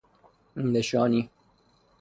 نشانی